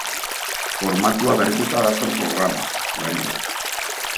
Formatua berrituta dator programa, gainera.